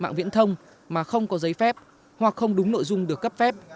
mạng viễn thông mà không có giấy phép hoặc không đúng nội dung được cấp phép